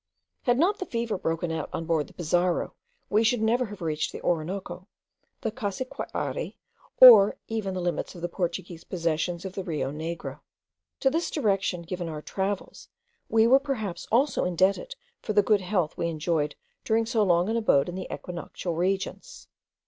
Had not the fever broken out on board the Pizarro, we should never have reached the Orinoco, the Cassiquiare, or even the limits of the Portuguese possessions on the Rio Negro. To this direction given to our travels we were perhaps also indebted for the good health we enjoyed during so long an abode in the equinoctial regions.